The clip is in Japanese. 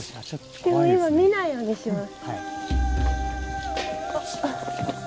でも今見ないようにします。